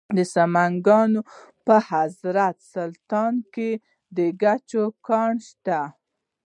د سمنګان په حضرت سلطان کې د ګچ کان شته.